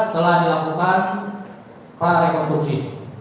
telah dilakukan para rekonstruksi